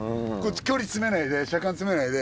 距離詰めないで車間詰めないで。